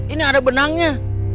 ini ada benangnya